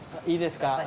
いいですか？